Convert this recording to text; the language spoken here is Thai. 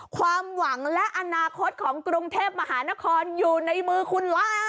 ความหวังและอนาคตของกรุงเทพมหานครอยู่ในมือคุณละ